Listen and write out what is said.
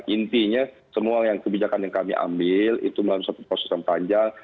intinya semua kebijakan yang kami ambil itu melalui satu proses yang panjang